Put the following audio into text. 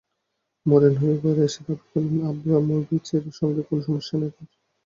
Mourinho এবার এসে দাবি করলেন আব্রামোভিচের সঙ্গে কোনো সমস্যাই নেই তাঁর।